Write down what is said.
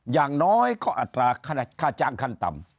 อย่างน้อยก็อัตราค่าจ้างขั้นต่ำ